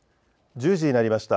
１０時になりました。